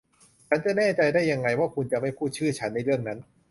ฉันจะแน่ใจได้ยังไงว่าคุณจะไม่พูดชื่อฉันในเรื่องนั้น